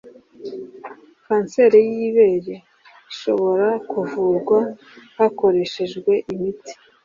Kanseri y'ibere ishobora kuvurwa hakoreshejwe imiti